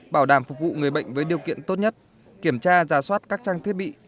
bảo đảm phục vụ người bệnh với điều kiện tốt nhất kiểm tra giả soát các trang thiết bị